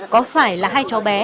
có phải là hai cháu bé